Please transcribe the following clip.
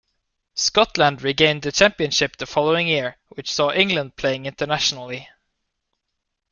Scotland regained the Championship the following year, which saw England playing internationally.